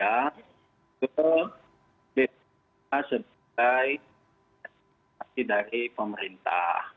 itu bisa sebagai sertifikasi dari pemerintah